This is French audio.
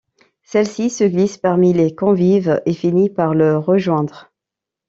Celle-ci se glisse parmi les convives et finit par le rejoindre.